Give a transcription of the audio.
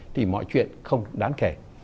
thì mọi chuyện không đáng kể